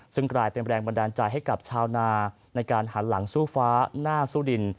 ซึ่งกลายเป็นแรงบันดาลใจให้กับชาวนาในการหันหลังสู้ฟ้าหน้าสู้ดิน